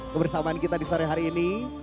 kebersamaan kita di sore hari ini